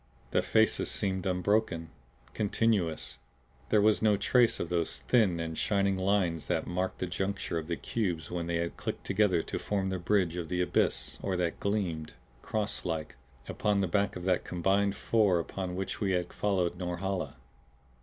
The faces seemed unbroken, continuous; there was no trace of those thin and shining lines that marked the juncture of the cubes when they had clicked together to form the bridge of the abyss or that had gleamed, crosslike, upon the back of the combined four upon which we had followed Norhala.